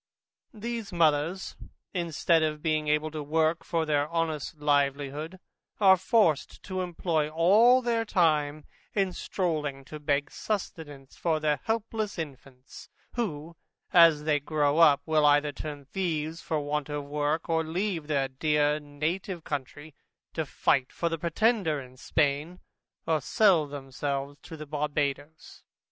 These mothers, instead of being able to work for their honest livelihood, are forced to employ all their time in stroling to beg sustenance for their helpless infants who, as they grow up, either turn thieves for want of work, or leave their dear native country, to fight for the Pretender in Spain, or sell themselves to the Barbadoes.